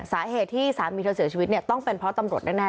สาเหตุที่สามีเธอเสียชีวิตเนี่ยต้องเป็นเพราะตำรวจแน่